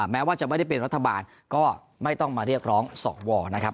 แม้ว่าจะไม่ได้เป็นรัฐบาลก็ไม่ต้องมาเรียกร้องสวนะครับ